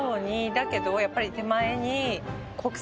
だけどやっぱり手前に。